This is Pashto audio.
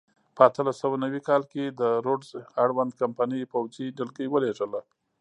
په اتلس سوه نوي کال کې د روډز اړوند کمپنۍ پوځي ډلګۍ ولېږله.